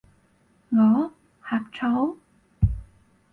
我？呷醋？